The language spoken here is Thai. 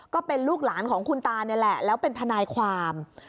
ก็เป็นลูกหลานของคุณตานี่แหละแล้วเป็นทนายความ